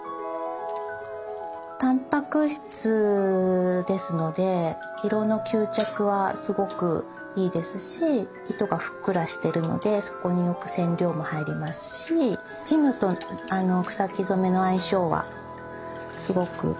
たんぱく質ですので色の吸着はすごくいいですし糸がふっくらしてるのでそこによく染料も入りますし絹と草木染めの相性はすごくいいかなと私は思います。